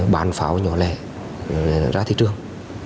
bán pháo nhỏ lẻ ra thị trường